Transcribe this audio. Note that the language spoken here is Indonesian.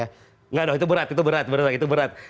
enggak dong itu berat itu berat